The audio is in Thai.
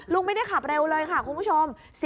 ไม่ได้ขับเร็วเลยค่ะคุณผู้ชม